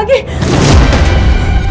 aku sudah terpaksa